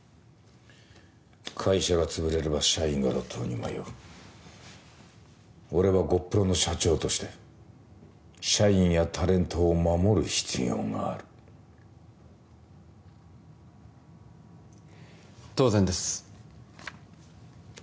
会社が潰れれば社員が路頭に迷う俺はゴップロの社長として社員やタレントを守る必要がある当然です